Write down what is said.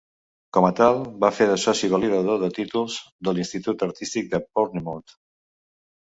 Com a tal, va fer de soci validador de títols de l'Institut Artístic de Bournemouth.